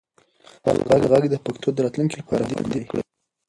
خپل ږغ د پښتو د راتلونکي لپاره خوندي کړئ.